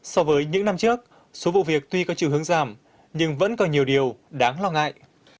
so với những năm trước số vụ việc tuy có chiều hướng giảm nhưng vẫn còn nhiều điều đáng lo ngại